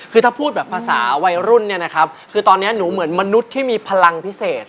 คือถ้าพูดแบบภาษาวัยรุ่นเนี่ยนะครับคือตอนนี้หนูเหมือนมนุษย์ที่มีพลังพิเศษ